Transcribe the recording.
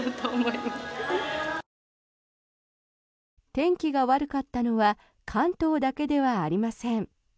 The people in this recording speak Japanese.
天気が悪かったのは関東だけではありません。